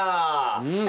うん！